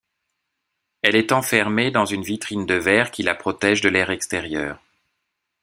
Elle est enfermée dans une vitrine de verre qui la protège de l'air extérieur.